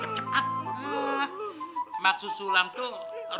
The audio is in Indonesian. ah maksud sulam tuh